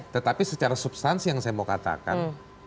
tetapi secara substansi yang saya mau katakan